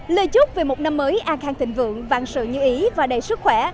lời chúc về một năm mới an khang thịnh vượng vạn sự như ý và đầy sức khỏe